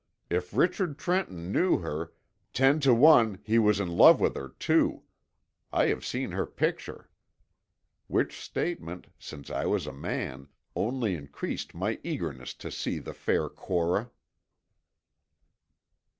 If Richard Trenton knew her, ten to one he was in love with her, too. I have seen her picture." Which statement, since I was a man, only increased my eagerness to see the fair Cora.